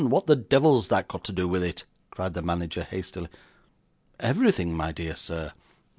what the devil's that got to do with it!' cried the manager hastily. 'Everything, my dear sir.